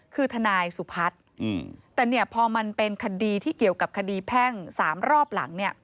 คือทนายสุพัฒน์แต่เนี่ยพอมันเป็นคดีที่เกี่ยวกับคดีแพ่ง๓รอบหลังเนี่ย